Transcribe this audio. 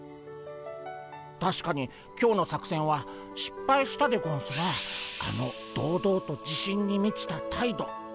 たしかに今日の作戦はしっぱいしたでゴンスがあの堂々と自信にみちた態度。